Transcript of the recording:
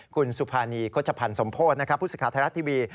คุณสุภานีโฆษภัณฑ์สมโภษพุทธศาสตร์ไทยรัตน์ทีวี